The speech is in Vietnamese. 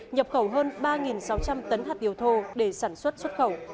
nhập khẩu hơn ba sáu trăm linh tấn hạt điều thô để sản xuất xuất khẩu